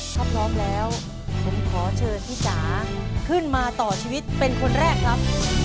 ถ้าพร้อมแล้วผมขอเชิญพี่จ๋าขึ้นมาต่อชีวิตเป็นคนแรกครับ